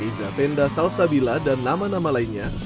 iza penda salsa bila dan nama nama lainnya